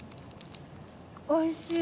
おいしい！